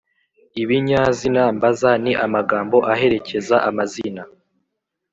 Ibinyazina mbaza ni amagambo aherekeza amazina